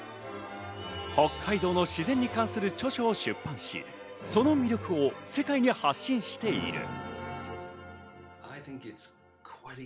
北海道の自然に関する著書を出版し、その魅力を世界に発信している。